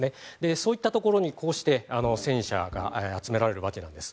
そういったところにこうして戦車が集められるわけなんです。